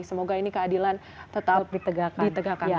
semoga ini keadilan tetap ditegakkan